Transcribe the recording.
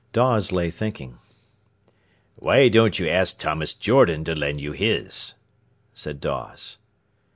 Dawes lay thinking. "Why don't you ask Thomas Jordan to lend you his?" said Dawes.